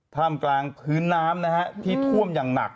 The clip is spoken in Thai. ท่ามกลางพื้นน้ำนะฮะที่ท่วมอย่างหนัก